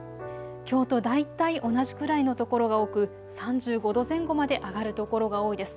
きょうと大体同じくらいの所が多く、３５度前後まで上がる所が多いです。